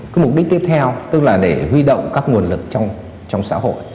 cái mục đích tiếp theo tức là để huy động các nguồn lực trong xã hội